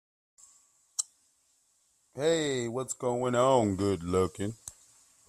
Display a list of escape characters.